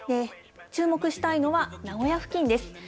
注目したいのは、名古屋付近です。